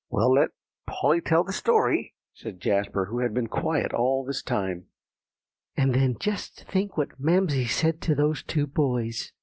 "Well, let Polly tell the story," said Jasper, who had been quiet all this time. "And then just think what Mamsie said to those two boys."